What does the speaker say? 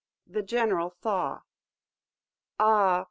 THE GENERAL THAW "Ah!